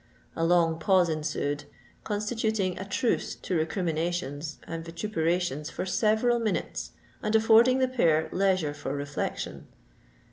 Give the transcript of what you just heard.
A long pause ensued, constituting a truce to recriminations and vituperations for several minutes, and affording the pair leisure for reflection.